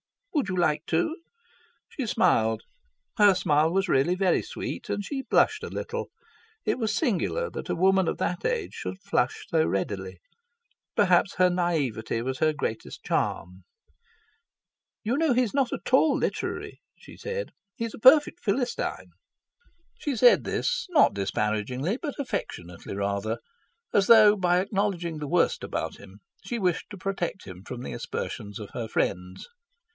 "Would you like to?" She smiled, her smile was really very sweet, and she blushed a little; it was singular that a woman of that age should flush so readily. Perhaps her naivete was her greatest charm. "You know, he's not at all literary," she said. "He's a perfect philistine." She said this not disparagingly, but affectionately rather, as though, by acknowledging the worst about him, she wished to protect him from the aspersions of her friends.